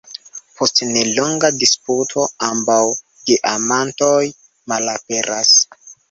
Post nelonga disputo, ambaŭ geamantoj malaperas.